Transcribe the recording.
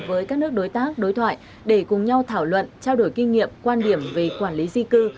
với các nước đối tác đối thoại để cùng nhau thảo luận trao đổi kinh nghiệm quan điểm về quản lý di cư